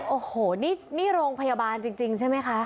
โอ้โหนี่โรงพยาบาลจริงใช่ไหมคะ